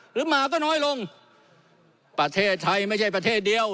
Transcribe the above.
หมาก็น้อยลงประเทศไทยไม่ใช่ประเทศเดียว